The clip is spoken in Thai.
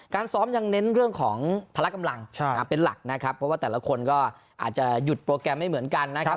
ซ้อมยังเน้นเรื่องของพละกำลังเป็นหลักนะครับเพราะว่าแต่ละคนก็อาจจะหยุดโปรแกรมไม่เหมือนกันนะครับ